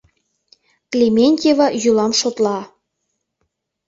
Клементьева йӱлам шотла.